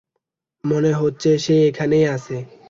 মনে হচ্ছে সে এখানেই আছে।